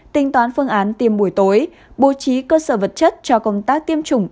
tính toán phương án tiêm buổi tối bố trí cơ sở vật chất cho công tác tiêm chủng